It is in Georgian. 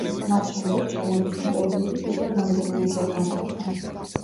მას შემდეგ შენობის ინტერიერი კიდევ რამდენიმეჯერ განახლდა.